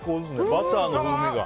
バターの風味が。